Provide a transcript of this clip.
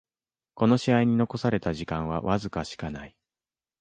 この試合に残された時間はわずかしかない